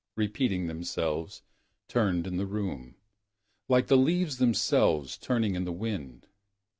Repeating themselves. Turned in the room. Like the leaves themselves Turning in the wind.